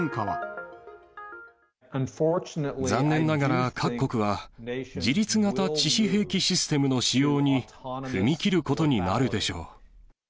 残念ながら、各国は自律型致死兵器システムの使用に踏み切ることになるでしょ